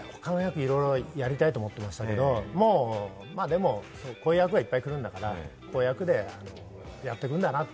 いろいろな役をやりたいと思ってましたけど、こういう役がいっぱい来るんだから、こういう役でやっていくんだなと。